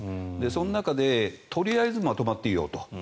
その中で、とりあえずまとまっていようと。